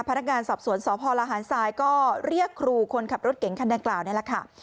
พนักงานสอบสวนสพลหารทรายก็เรียกครูคนขับรถเก่งคันดังกล่าวนี่แหละค่ะ